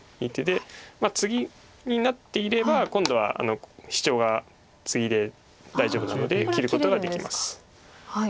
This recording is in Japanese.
ツギになっていれば今度はシチョウがツギで大丈夫なので切ることができます。